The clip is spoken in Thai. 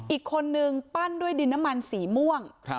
อีกคนนึงปั้นด้วยดินน้ำมันสีม่วง